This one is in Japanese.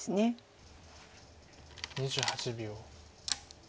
２８秒。